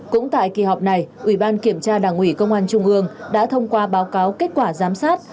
cũng tại kỳ họp này ủy ban kiểm tra đảng ủy công an trung ương đã thông qua báo cáo kết quả giám sát